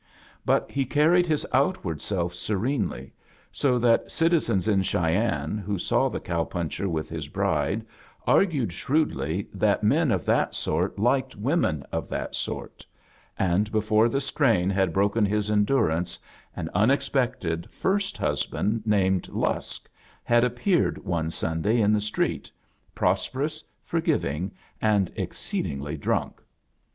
But he carried his out ward self serenely, so that citizens in Chey enne who saw the cow puncher with his bride argued shrewdly that men of that sort liked women of that sort; and before the strain had broken his endurance an A JOXJRNEY IN SEARCH OF CHRISTMAS unexpected first husband, named Ltisk, had appeared one Sunday in the street, prosperous, forgiving, and exceedingly drunk.